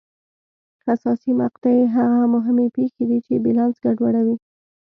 حساسې مقطعې هغه مهمې پېښې دي چې بیلانس ګډوډوي.